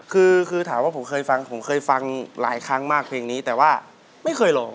คือคือถามว่าผมเคยฟังผมเคยฟังหลายครั้งมากเพลงนี้แต่ว่าไม่เคยลอง